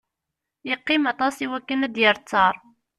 Yeqqim aṭas iwakken ad d-yerr ttar.